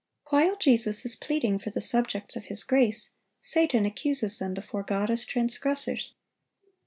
While Jesus is pleading for the subjects of His grace, Satan accuses them before God as transgressors.